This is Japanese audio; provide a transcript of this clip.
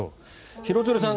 廣津留さん